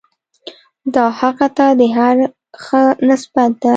دا هغه ته د هر ښه نسبت ده.